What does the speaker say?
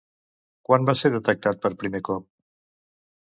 Quan va ser detectat per primer cop?